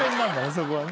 そこはね。